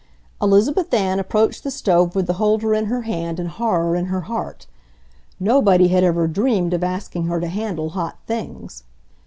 Elizabeth Ann approached the stove with the holder in her hand and horror in her heart. Nobody had ever dreamed of asking her to handle hot things.